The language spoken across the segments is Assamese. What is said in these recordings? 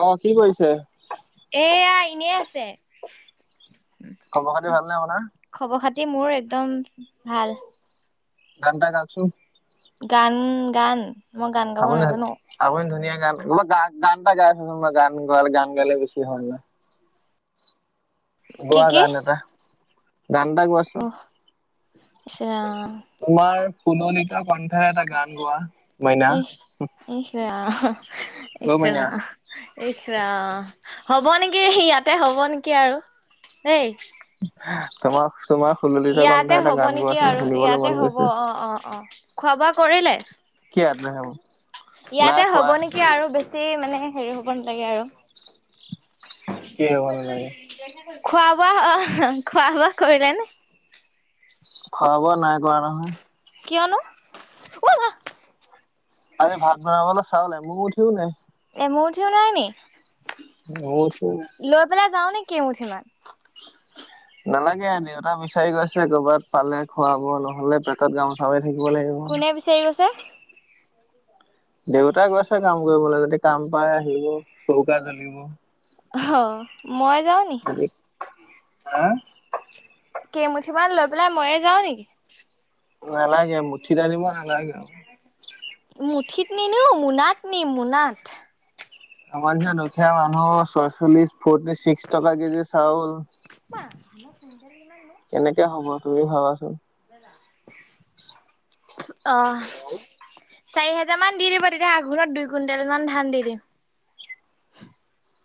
অ' কি কৰিছে? এয়া এনেই আছে খবৰ খাতি ভাল নে আপোনাৰ। এ মোৰ একদম ভাল ঘণ্টা কাকচোন গান গান। মই গান গাব আপুনি নাজানো আপুনি ধুনীয়াক গ গ গানটা গাই আছোনাৰ গান গ গান গালে বেছি হয় ন! কি গোৱা কি গান এটা। গান এটা অ গোৱাচোন ইচ ৰাম তোমাৰ। কুননিত কণ্ঠৰে এটা গান গোৱা। মইনা ইশশ ইশ অ মইনা ইছা হ'ব নেকি ইয়াতে হ'ব নেকি আৰু দেই তোমাক তোমাৰ সুললিত ইয়াতে কন্থাে এটা হ'ব গান নেকি গোৱাচোন আৰু শুনিবলৈ ইয়াতে মন হ'ব গৈছে। অ অ অ খোৱা বোৱা কৰিলে। কি নাই ইয়াতে হ'ব খোৱা নেকি আৰু বেছি মানে হেৰি হব নালাগে আৰু কি হব নালাগে খোৱা বোৱা অ খোৱা বোৱা কৰিলে নে, খোৱা বোৱা নাই কৰাৱা নহয়। কিয়নো ব'লা। আ ভাত বনাবলৈ চাউ নাই মোৰ উঠিও নাই মোৰ যও নাই ন অ' চো কমঠমানমান নালাগে দেউতা বিচাৰি গৈছে ক'ৰবাত পালে খোৱা বোৱা নহ'লে পেটত গামোচা থাকিব লাগিব। কোনে বিচাৰি গৈছে দেউতাই গৈছে কাম কৰিবলৈ যদি কাম পাই আহিব চৌকা জ্বলিব। অ' মই যাওঁ নি হা কেইমুঠিমান লৈ পেলাই মইয়ে যাও নেকি? নালাগে মুঠি দানিব নালাগে আৰু ঠিত নিনিও মোনাত নিম, মোনাত। আমাৰ নিচিনা দুখীয়া মানুহ ছয়চল্লিশ, ফৰ্টি ছিক্স টকা কেজি চাউল। [unintelligible] কেনেকে হ'ব তুমি ভাবাচোন অহ চাৰি হেজাৰ মান দি দিব তেতিয়া আঘোণত দুই কুইণ্টেল মান ধান দি দিম।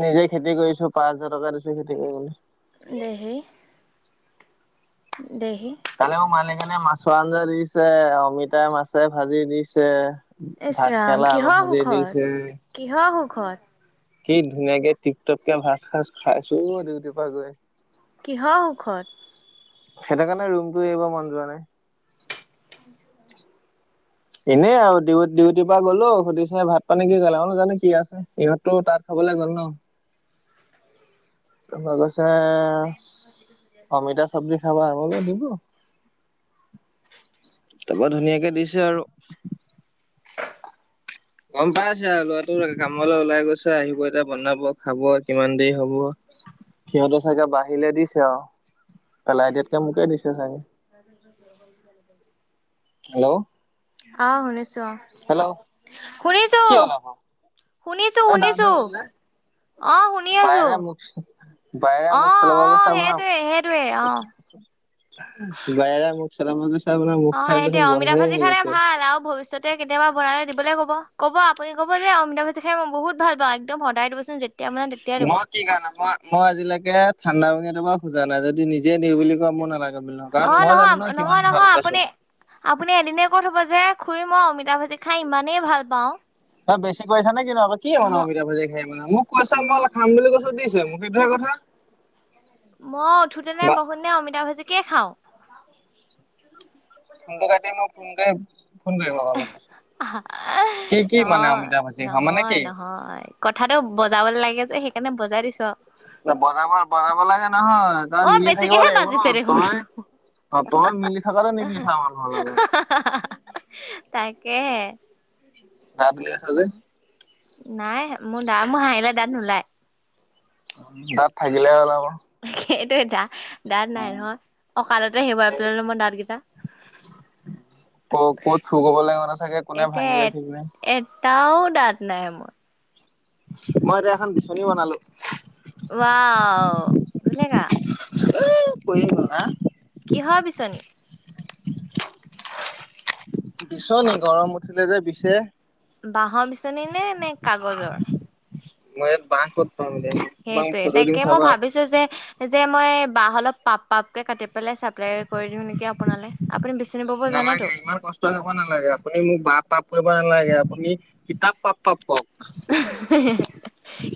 নিজেই খেতি কৰিছো, পাঁচ হাজাৰ টকা দিছো খেতি কৰিবলে। দেহি দেহি কালি মোক মালিকানীয়ে মাছৰ আঞ্জা দিছে, অমিতাই মাছে ভাজি দিছে। ভাত ইচৰাম কেৰেলা আলু কিহৰ ভাজি সুখত? দিছে। কিহৰ সুখত? কি ধুনীয়াকে টিপ-টপকে ভাত খাজ খাইছো অ ডিউটিৰ পৰা গৈ। কিহৰ সুখত? সেইটো কাৰণে ৰুমটো এৰিব মন যোৱা নাই। এনেই আৰু ডিউ, ডিউটিৰ পৰা গ'লো সুধিছে ভাত পানী কি খালে? মই বোলো জানো কি আছে। ইহঁতো তাত খা- বলে গল ন'। তাৰপৰা কৈছে অমিতা চব্জি খাবা? মই বোলো দিব। [inaudible] তাৰপৰা ধুনীয়াকে দিছে আৰু গম পাইছে আৰু লৰাটো কামলৈ ওলাই গৈছে, আহিব এতিয়া বনাব খাব কিমান দেৰি হব। সিহঁতৰ চাগে বাঢ়িলে দিছে আৰু পেলাই দিয়াতকে মোকে দিছে চাগে। হেল্ল' অ শুনিছো অ' হেল্ল' শুনিছো, কি হ'ল আকৌ? অ ডাউন শুনিছো-শুনিছো। হৈ গ'ল যে। অ' শুনি আছো বায়ৰা মুখ বায়ৰা অ মুখ চলাব অ গৈছে আপোনাৰ সেইটোৱে, সেইটোৱে অ'। [unintelligible] অ' মুখখন দেখোন সেইটোৱে অমিতা গন্ধই ভাজি হৈ খালে গৈছে। ভাল আৰু ভৱিষ্যত তে কেতিয়াবা বনাল দিবলে ক'ব। ক'ব আপুনি ক'ব যে অমিতা ভাজি খাই মই বহুত ভাল পাওঁ একদম সদায় দিবচোন যে- মই কি কাৰণে? মই, মই আজিলৈকে ঠাণ্ডা পানী এটোপাও খোজা নাই যদি নি- জে দিওঁ বুলি কয় মই নালাগে বুলি নকওঁ অ কাৰণ মই নহয় জানো ন' নহয় কিমান নহয় ভাল আপুনি পাইছো। আপুনি এদিনে কৈ থব যে খুুৰী মই অমিতাভাজি খাই ইমানেই ভাল পাওঁ তই বেছি কৰি'ছ নে- কি? কি ম মানে অমিতা ভাজি খাই মানে মোক কৈছে ম মই খাম বুলি কৈছো দিছে মোক সেইটোহে কথা। [inaudible] অ' উঠোতে নে বা বহুত নে অমিতা ভাজিকে খাওঁ। [unintelligible] লগা লগ [unintelligible] আঁহা! নহয়, ভাজি খাওঁ মানে নহয় কি নহয় কথাটো বজাবলে লাগে যে সেইকাৰণে বজাই দিছো। আৰু বজাব, বজাব লাগে নহয় তই অ মিলি থাকিব বেছিকেহে লাগিব বাজিছে ন' দেখোন তই অ' তই মিলি থাকাটো নিবিচা'ৰ মানুহৰ লগত তাকেহে যাৰ মিলি আছ না, যে নাই মোৰ দা মোৰ হাঁহিলে দাঁত নোলাই। দাঁত থাকিলেহে ওলাব। সেইটো এটা দাঁত নাই নহয় অকালতে হেৰুৱাই পেলালো মই দাঁতকিটা। ক' ক'ত চুৰ কৰিবলে মানে চাগে কোনে ভাঙিলে ঠিক নাই। -টাও দাঁত নাই মোৰ। মই এতিয়া এখন বিচনী বনালোঁ। ৱাও দুলেখা [unintelligible] কিহৰ বিচনী? বিচনী গৰম উঠিলে যে বিছে। বাঁহৰ বিচনী নে - নে কাগজৰ? মই ইয়াত বাঁহ ক'ত পাম এতিয়া তোমাক সেইটোয়ে ফটো দিম তাকে মই চাবা ভাবিছো যে। যে মই বাঁহ অলপ পাপ - পাপকে কাটি পেলাই চাপ্লাই কৰি দিওঁ নেকি আপোনালৈ। আপুনি বিচনী বব জানেতো নালাগে ইমান কষ্ট কৰিব নালাগে আপুনি মোক বাঁহ পাপ কৰিব নালাগে আপুনি কিতাপ পাপ পাপ কওক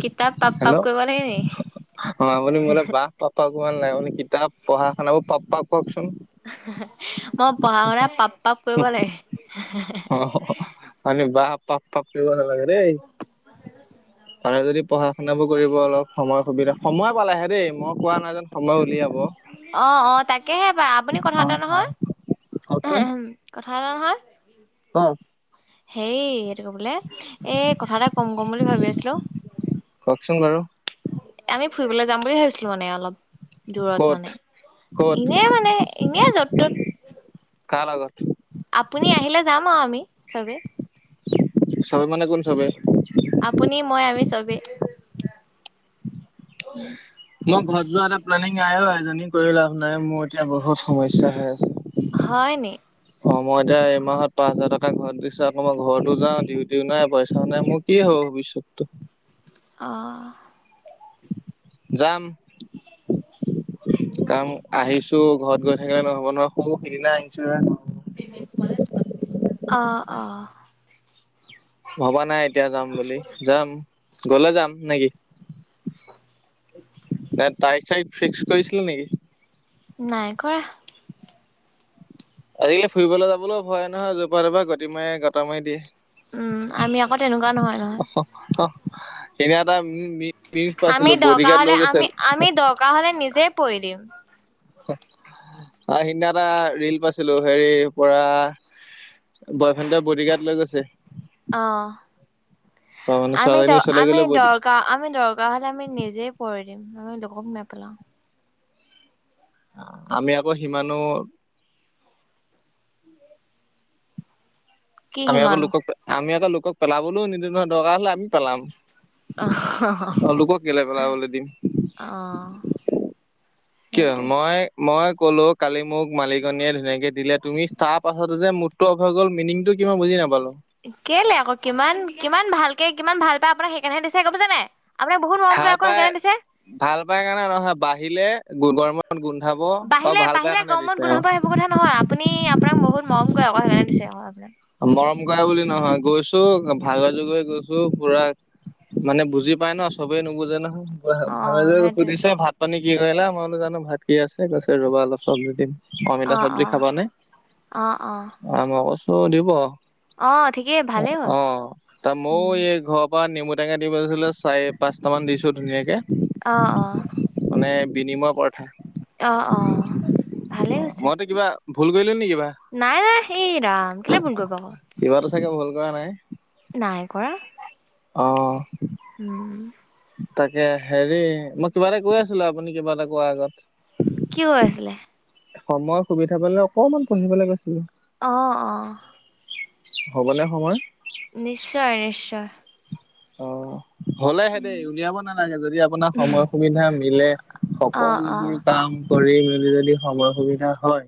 কিতাপ পাপ - হেল্ল' পাপ কৰিব লাগে নেকি। অ, আপুনি মোলৈ বাঁহ পাপ - পাপ কৰিব নালাগে আপুনি কিতাপ পঢ়া শুনাৰ পাপ্পাক [unintelligible] পঢ়া শুনা পাপ - পাপ কৰিব লাগে। বাঁহ পাপ - পাপ পিব নালাগে দেই। পাৰে যদি পঢ়া শুনাবোৰ কৰিব অলপ সময় সুবিধা সময় পালেহে দেই মই কোৱা নাই যেন সময় উলিয়াব। অ - অ তাকেহে বা আপুনি কথা অ এটা অ নহয়। কওকচোন ভাল নহয়। কওক। হেই এইটো কোবোলে এই কথা এটা কম ক'ম বুলি ভাবি আছিলো। চোন বাৰু। ফুৰিব যাম বুলি ভাবিছিলো মানে অলপ দূৰত ক'ত মানে ক'ত এনে মানে এনে য'ত ত'ত কাৰ লগত চবে। চাব মানে কোন চবে। চবে। মই ঘৰত যোৱা এটা প্লেনিং আয়ো আৰু এজনী কৰিলো আৰু। নাই মোৰ এতিয়া বহুত সমস্যা হৈ আছে হয় নি অ, মই এতিয়া এই মাহত পাচ হাজাৰ টকা ঘৰত দিছো আকৌ মই ঘৰতো যা ডিউটিও নাই পইচাও নাই মোৰ কি হব বুলি। সত্য অ', যাম। কাম আহিছো ঘৰত গৈ থাকিলে নহব নহয় সহ সেইদিনা আনিছো। অহ - অহ। ভবা নাই এতিয়া যাম বুলি যাম গলে যাম নেকি। [inaudible] তাই চাই ফিক্স কৰিছিল নেকি। নাই কৰা। আজিকালি ফুৰিবলৈ যাবলৈও ভয় নহয় জোপা তপ পৰা গটি মাৰে গতটা মাৰি দিয়ে। উম আমি আকৌ তেনেকুৱা নহয় নহয় এনে এটা উ আমি দৰকাৰ হলে আমি - আমি দৰকাৰ হলে নিজে পৰি দিম। সিদিনা এটা ৰিল পাইছিলো হেৰি পৰা বয়ফ্ৰেণ্ড বডিগাট লৈ গৈছে। অঁ মানে আমি দ ছোৱালীজনীৰ ওচৰলৈ আমি গ'লে বডি দৰকাৰ আমি দৰকাৰ হলে আমি নিজে পৰি আমি লকোক নেপেলাও। আমি আকৌ সিমানো কি আমি আকৌ সিমানো লোকক - আমি আকৌ লোকক পেলাবলৈও নিদিও নহয় দৰকাৰ হলে আমি পেলাম। অ, লোকক কেলে পেলাবলৈ দিম। অ' কিয়ো সেইটোৱে। মই - মই ক'লো কালি মালিকনীয়ে ধুনীয়াকে দিলে তমি তাৰ পাছততে যে মোতটো অভাগ'ল মিনিংতটো কিমান বুজি নাপালো। কেলে আকৌ কিমান - কিমান ভাল কে কিমান ভাল পাই আপোনাক সেইকাৰণেহে দিছে গম পাইছে নে আমাৰ বহুত মৰম ভাল কৰি আকৌ পাই সেইকাৰণে দিছে। ভাল পাই কাৰণে নহয় বাঢ়িলে গৰমত গোন্ধাব অ, বাঢ়িলে ভাল পাই বাঢ়িলে কাৰণে গৰমত দিছে গোন্ধাব সেইবোৰ অ, কথা নহয় আপুনি আপোনাক বহুত মৰমক আকৌ সেইকাৰণে দিছে হয়। মৰম কৰে বুলি নহয় গৈছো ভাগৰয গৈ গৈছো পুৰা মানে বুজি পায় ন চবেই নুবুজে নহয় ভালে অ' যে সেইটোৱে সুধিছে ভাত পানী কি কৰিলা মইনো জানোঁ ভাত কি আছে ৰ'বা অলপ চব্জি দিম অমিতা অ' চব্জি অ' খাবা নে অ মই কইছো দিব অ' ঠিকেই ভালেই হ'ল। অ তাৰ মইও উম এই ঘৰৰ পৰা নিম ঔটেঙা দিব লাগিছিলে চাৰে পাঁচটা মান দিছোঁ ধুনীয়াকে অহ অহ মানে বিনিময় প্ৰ্থায় অ অ ভালেই হৈছে মইতো কিবা ভুল কৰিলে নেকি নাই নাই সেই ৰাম কেলে ফোন কৰিব আকৌ তাকে ভুল কৰা নাই নাই কৰা অ উম তাকে হেৰি, মই কিবা এটা কৈ আছিলোঁ আপুনি কিবা এটা কোৱা আগত। কিয় গাইছিলে। সময় সুবিধা পালে অকমান পঢ়িবলে গৈছিলোঁ। অ অ হ'বলে সময়। নিশ্চয় নিশ্চয় অ হ'লেহে দেই উলিয়াব নালাগে। যদি আপোনাক সময় সুবিধা মিলে অ অ সকলোবোৰ কাম, কৰি মেলি যদি সময় সুবিধা হয়।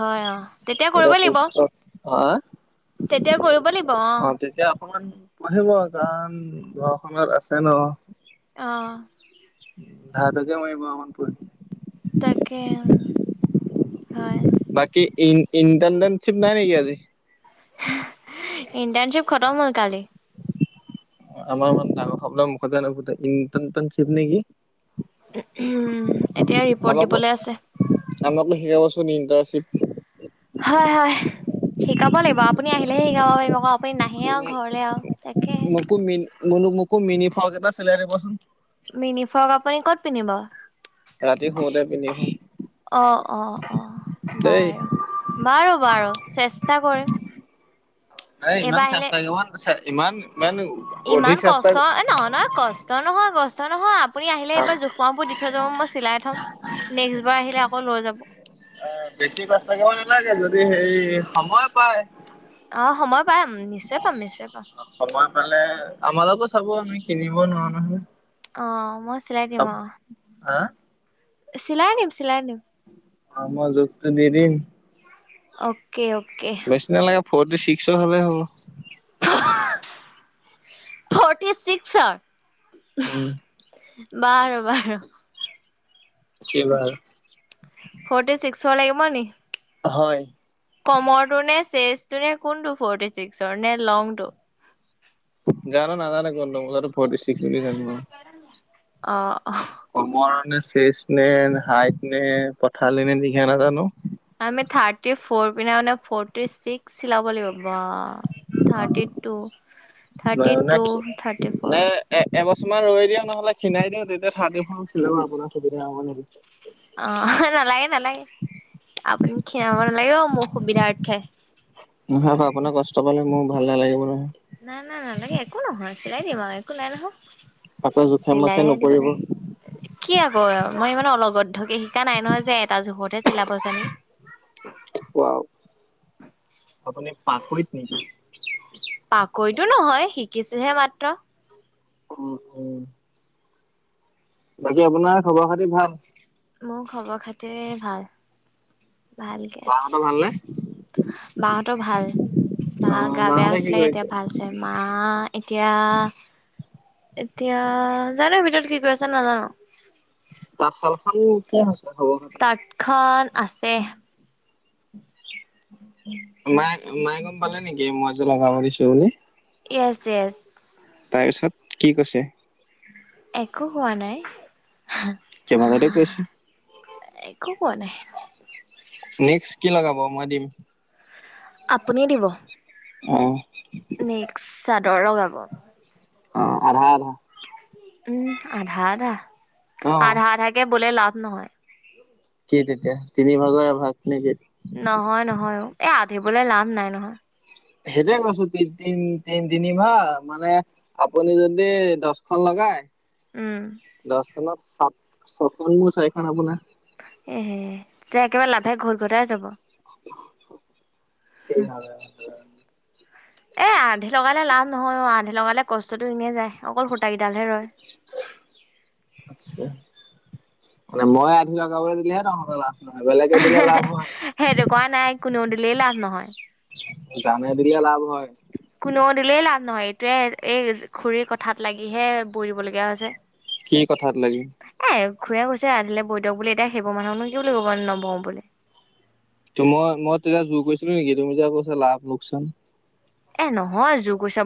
হয় অ', তেতিয়া কৰিব লাগিব। হয়। তেতিয়া কৰিব লাগিব অ'। অকমান পঢ়িব গান গঢ শুনত আছে ন'। অহ। ধাৰ থাকে মৰিব [unintelligible] পৰি। তাকে হয়। বাকি ই ইটেনশ্বিপ নাই নেকি আজি? ইণ্টাৰ্ণশ্বিপ খতম হ'ল কালি। আমাৰ ইমান ডাঙৰ চব মুখতে নুফুটে, ইন্টেননচিপ নেকি? এতিয়া ৰিপৰ্ট দিবলৈ আছে। ইন্টাৰশ্বিপ। হয়, হয়, শিকাব লাগিব আপুনি আহিলেহে শিকাব পাৰিম, আকৌ আপুনি নাহে আৰু ঘৰলে আৰু তাকেহে। মনুক মুকু মিনি ফ্লক এটা চিলাই দিবচোন। মিনি ফ্ৰ'ক আপুনি ক'ত পিন্ধিব? ৰাতি শুতে পিন্ধি শুম। অ', অ', অ', বাৰু, বাৰু, বাৰু, চেষ্টা কৰিম। এ ইমান চেষ্টা কিমান ইমান চ ইমান অধিক চেষ্টা কষ্ট নহয়, নহয়, কষ্ট নহয়, কষ্ট নহয়। আপুনি আহিলে এবাৰ জোখ মাখবোৰ দি থৈ যাব, নেক্সট বাৰ আহিলে আকৌ লৈ যাব। বেছি কষ্ট লাগিব নালাগে, যদি হে সময় পাই। অ', সময় পাম, নিশ্চয় পাম, নিশ্চয় পাম। সময় পালে। আমাৰো চাব আমি কিনিব নোৱাৰো নহয়। অহ মই চিলাই দিম অ, হা চিলাদিম চিলাদিম অ মই জোখটো দি দিম। অ'কে অ'কে বেছি নালাগে ফৰটি ছিক্সৰ হলে হ'ব। ফৰ্টি ছিক্সৰ, উম। বাৰ বাৰ এইবাৰ ফটি চিক্স চল লাগিব নেকি? হয়। কমৰটো নে চেচটো নে কোনটো ফৰ্টি চিক্সৰ নে লংটো জানো নাজানো কোনটো ফৰটিষিক জান অ' অ' কমৰ নে চেচ নে হাইট নে পথালি নে দীঘ নাজানো আমি থাৰ্টি ফ পি মানে ফটি ছিক্স চিলাব লাগিব বা থাৰ্টি থাৰ্টি টু থাৰ্টি ফ কিছুমান ৰৈ দিওঁ নহলে খিনাই দিওঁ তেতিয়া থাৰ্টি আপোনাৰসুবিধা অ' নালাগে নালাগে আপুনি খ্ষীণাব নালাগে মোৰ সুবিধাৰ্থে। নহয় ব আপোনাৰ কষ্ট পালে মোৰ ভাল নালাগিব নহয়। নাই না নালাগে একো নহয় চিলাই দিম একো নাই নহয় আকৌ জোখে মোখে চিলাইহে নপৰিব। দিবনে কি আকৌ মই ইানে অলগধ্ব কি? শিকা নাই নহয় যে এটা জোখতহে চিলাবযেন। ৱাও আপুনি পাশৈত নেকি? পাকৈতো নহয় শিকিছোহে মাত্ৰ অ' উম বাকী আপোনাৰ খবৰ খাতি ভাল মোৰ খবৰ খাতি ভাল ভালকে বাহঁতৰ ভালনে? আছো বাহতৰ ভাল। বা অ', গা বেয়া মাহঁতে কি হৈছিলে এতিয়া কৰিছে? ভাল চ মা এতিয়া এতিয়া জানো ভিতৰত কি কৰি আছে নাজানো তাতশাল খন কি? খবৰ খাতি? তাঁত খন আছে মায় মায়ে গম পালে নেকি মই যে লগা কৰিছো বুলি। এছ এছ তাৰপিছত কি কৈছে? একো হোৱা নাই। কেইবাটাতো কৈছে। একো কোৱা নাই। নেক্স কি লগাব মই দিম আপুনি দিব। অ' দৰং আব অ' আধা আধা উম আধা আধা অ'। আধা আধাাকে বোলে লাভ নহয়। কি তেতিয়া তিনি ভাগৰ এভাগ। নেকি? নহয়, নহয় অ', এই আধি ব'লে লাভ নাই নহয়। সেইটোয়ে কৈছোঁ তি-তিন-তিন-তিনি মাহ মানে আপুনি যদি দচখন লগাই উম দচখনত সাত, ছখন মোৰ, চাৰিখন আপোনাৰ। এহে তেতিয়া একেবাৰে লাভে [unintelligible] ঘোটাই যাব। [unintelligible] এ, আধি লগালে লাভ নহয় অ', আধি লগালে কষ্টটো এনেই যায় অকল সূতাই [unintelligible] ৰয়। আচ্ছা। মানে মই আধি লগাব দিলেহে তহঁতৰ লাভ নহয়, বেলেগে দিলে লাভ সেইটো হয়। কৰা নাই কোনেও দিলেই লাভ নহয়। জানে দিলে লাভ হয়। কোনেও দিলেই লাভ নহয়, এইটোৱে এই খুৰীৰ কথাত লাগিহে বৈ দিব লগীয়া হৈছে। কি কথাত লাগি এ খুৰীয়ে কৈছে আজিলে বৈ দিয়ক বুলি এতিয়া সেইবোৰ মানুহকনো কি বুলি নু ক'ব নবহো বুলি। তোমাক মই তেতিয়া জোৰ কৰিছিলো নেকি তুমি যে কৈছা লাভ লোকচান। এ নহয় জোৰ কৈছা